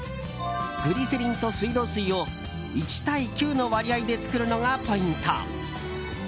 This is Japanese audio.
グリセリンと水道水を１：９の割合で作るのがポイント。